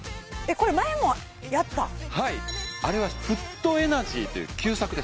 これ前もやったはいあれはフットエナジーという旧作です